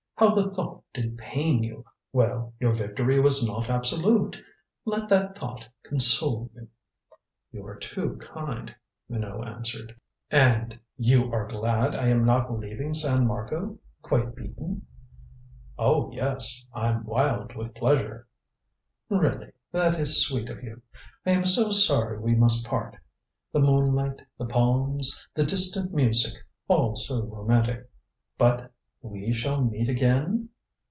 How the thought did pain you! Well, your victory was not absolute. Let that thought console you." "You are too kind," Minot answered. "And you are glad I am not leaving San Marco quite beaten?" "Oh, yes I'm wild with pleasure." "Really that is sweet of you. I am so sorry we must part. The moonlight, the palms, the distant music all so romantic. But we shall meet again?"